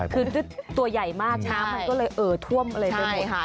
คือตัวใหญ่มากน้ำมันก็เลยเอ่อท่วมอะไรไปหมด